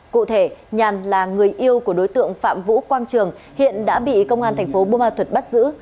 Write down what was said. cụ thể nhàn là người yêu của đối tượng phạm vũ quang trường hiện đã bị công an thành phố bùa ma thuật bắt giữ